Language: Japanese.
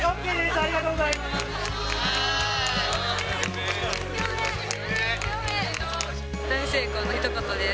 ありがとうございます。